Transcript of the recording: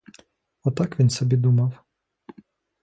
Отак він собі думав.